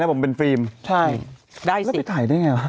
แล้วไปถ่ายได้ไงวะ